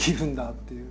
っていう。